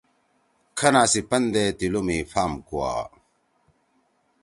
کھنا سی پندے تِیلو می فام کُوا۔